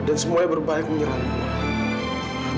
dan semuanya berbaik menyerang gue